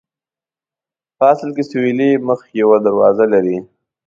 په اصل کې سویلي مخ یوه دروازه لري.